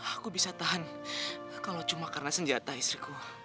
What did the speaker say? aku bisa tahan kalau cuma karena senjata istriku